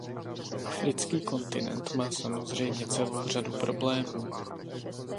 Africký kontinent má samozřejmě celou řadu problémů.